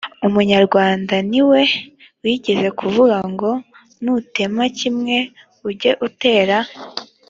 umunyarwanda ni we wigeze kuvuga ngo nutema kimwe uge utera